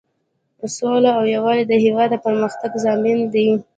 سوله او یووالی د هیواد د پرمختګ ضامن دی.